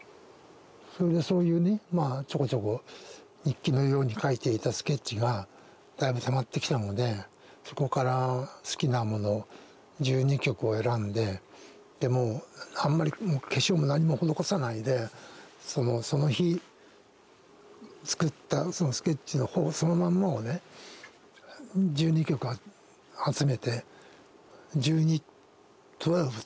それでそういうねちょこちょこ日記のように書いていたスケッチがだいぶたまってきたのでそこから好きなもの１２曲を選んででもうあんまり化粧も何も施さないでその日作ったそのスケッチのほぼそのまんまをね１２曲集めて「１２」というタイトルで出す予定です。